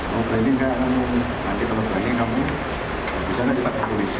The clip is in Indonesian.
mau branding gak kamu nanti kalau branding kamu bisa gak kita ke komisi